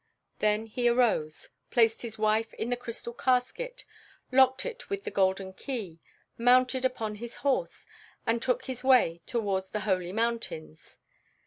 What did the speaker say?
Then he arose, placed his wife in the crystal casket, locked it with the golden key, mounted upon his horse, and took his way towards the Holy Mountains.